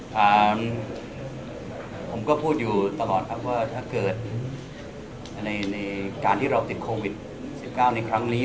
ผมก็พูดอยู่ตลอดครับว่าถ้าเกิดในการที่เราติดโควิด๑๙ในครั้งนี้